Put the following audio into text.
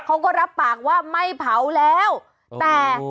เขาก็รับปากว่าไม่เผาแล้วแต่